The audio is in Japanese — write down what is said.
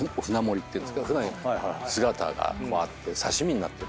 姿がこうあって刺身になってる。